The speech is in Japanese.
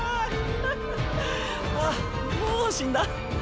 あっもう死んだ？